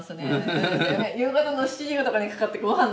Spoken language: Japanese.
夕方の７時とかにかかってごはんの時間帯で。